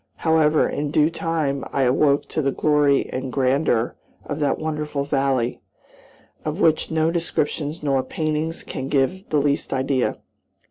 However, in due time I awoke to the glory and grandeur of that wonderful valley, of which no descriptions nor paintings can give the least idea.